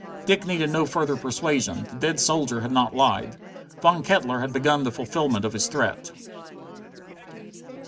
Dick needed no further persuasion. The dead soldier had not lied. Von Kettler had begun the fulfillment of his threat!